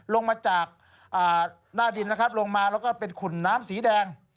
ลงมาจากหน้าดินนะครับลงมาแล้วก็เป็นขุนน้ำสีแดง